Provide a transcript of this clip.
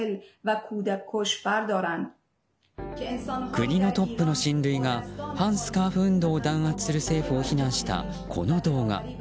国のトップの親類が反スカーフ運動を弾圧する政府を非難した、この動画。